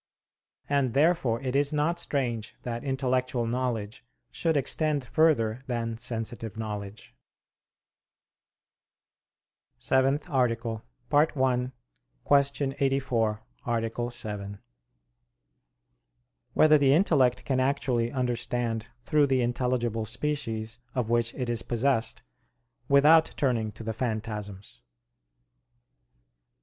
And therefore it is not strange that intellectual knowledge should extend further than sensitive knowledge. _______________________ SEVENTH ARTICLE [I, Q. 84, Art. 7] Whether the Intellect Can Actually Understand Through the Intelligible Species of Which It Is Possessed, Without Turning to the Phantasms?